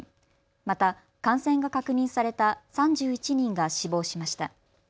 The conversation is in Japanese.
また感染が確認された３１人が死亡しました。